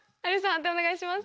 判定お願いします。